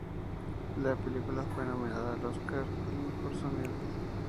La película fue nominada al Oscar al Mejor Sonido.